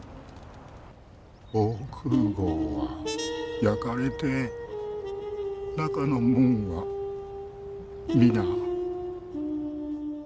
防空壕は焼かれて中の者は皆。